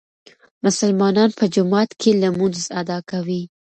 مسلمانان په جومات کې لمونځ ادا کوي.